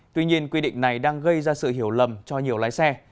tuy nhiên quy định này đang gây ra sự hiểu lầm cho nhiều lái xe